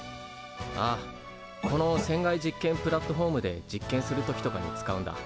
ああこの船外実験プラットフォームで実験する時とかに使うんだ。